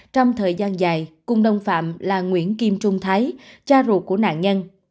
trong thời gian dài cung đông phạm là nguyễn kim trung thái cha ruột của nạn nhân